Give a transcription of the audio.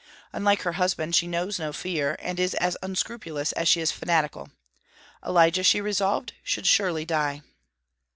Unlike her husband, she knows no fear, and is as unscrupulous as she is fanatical. Elijah, she resolved, should surely die.